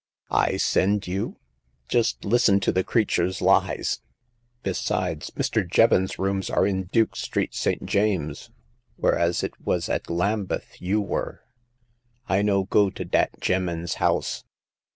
I send you ! Just listen to the creature's lies ! Besides, Mr. Jevons's rooms are in Duke Street, St. James's, whereas it was at Lambeth you were." I no go to dat gem'man's house.